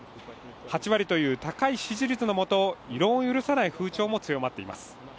８割という高い支持率のもと異論を許さない風潮も強まっています。